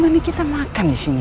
bayungnya ketinggalan neng